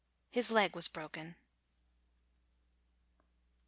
His leg was broken.